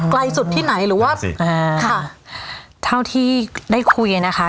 ไกลสุดที่ไหนหรือว่าเออค่ะเท่าที่ได้คุยนะคะ